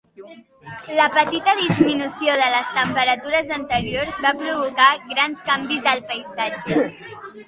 La petita disminució de les temperatures anteriors va provocar grans canvis al paisatge.